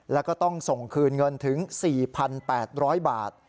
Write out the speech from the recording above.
แล้วก็ต้องส่งคืนเงินถึง๔๘๐๐บาท